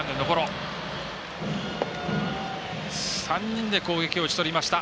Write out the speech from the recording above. ３人で攻撃を打ち取りました。